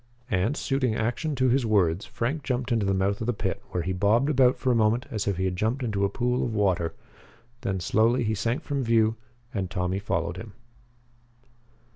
And, suiting action to his words, Frank jumped into the mouth of the pit where he bobbed about for a moment as if he had jumped into a pool of water. Then slowly he sank from view, and Tommy followed him.